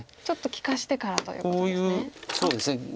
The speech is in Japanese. ちょっと利かしてからということですね。